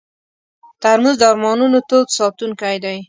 ترموز د ارمانونو تود ساتونکی دی.